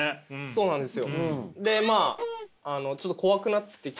そうなんです。